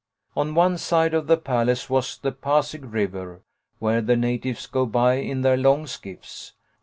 " On one side of the palace was the Pasig River, where the natives go by in their long skiffs.